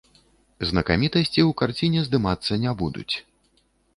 Знакамітасці ў карціне здымацца не будуць.